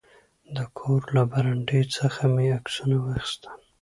د کور له برنډې څخه مې عکسونه واخیستل.